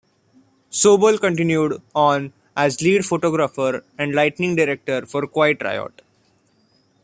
Sobol continued on as lead photographer and lighting director for Quiet Riot.